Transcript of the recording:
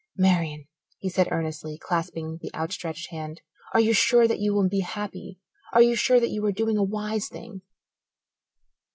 "Marian," he said earnestly, clasping the outstretched hand, "are you sure that you will be happy are you sure that you are doing a wise thing?"